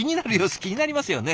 気になりますよね